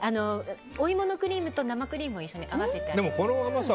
お芋のクリームと生クリームを合わせてあります。